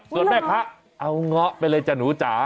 ส่วนแม่ค้าเอาเงาะไปเลยจ้ะหนูจ๋า